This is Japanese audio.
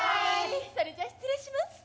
それじゃ失礼します。